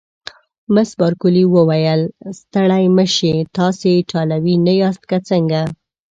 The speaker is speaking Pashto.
مس بارکلي وویل: ستړي مه شئ، تاسي ایټالوي نه یاست که څنګه؟